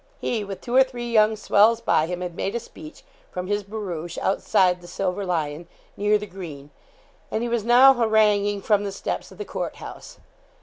He, with two or three young swells by him, had made a speech, from his barouche, outside the 'Silver Lion,' near the green; and he was now haranguing from the steps of the Court House.